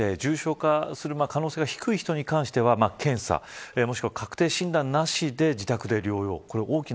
小林先生、若くて重症化や感染可能性が低い人に関しては検査もしくは確定診断なしで自宅で療養。